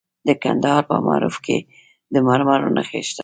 د کندهار په معروف کې د مرمرو نښې شته.